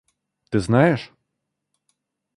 Ты знаешь?